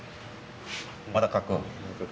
まだ描く？